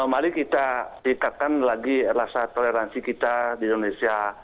mari kita tingkatkan lagi rasa toleransi kita di indonesia